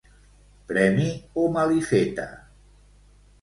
Premi o malifeta.